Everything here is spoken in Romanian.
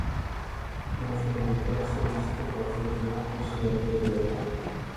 M-ați invitat să discut acest lucru și anterior.